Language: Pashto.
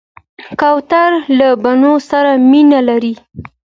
کوتره له بڼو سره مینه لري.